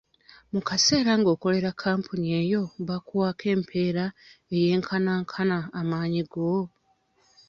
Mu kaseera ng'okolera kampuni eyo baakuwaako empeera ey'enkanaankana amaanyi go?